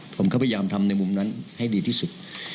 ผมก็พยายามทำในมุมนั้นให้ดีที่สุด